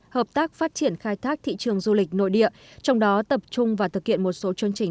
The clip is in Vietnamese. hợp tác phát triển khai thác thị trường du lịch nội địa trong đó tập trung và thực hiện một số chương trình